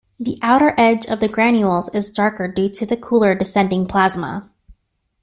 The outer edge of the granules is darker due to the cooler descending plasma.